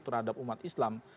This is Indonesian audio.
terhadap umat islam